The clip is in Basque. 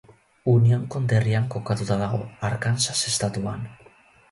Union konderrian kokatuta dago, Arkansas estatuan.